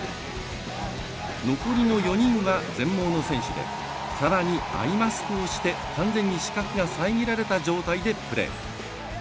残りの４人は全盲の選手でさらにアイマスクをし完全に視覚が遮られた状態でプレー。